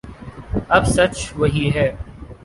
اب سچ وہی ہے